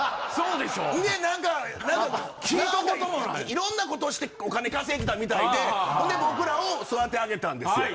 色んなことしてお金稼いでたみたいでほんで僕らを育て上げたんですよ。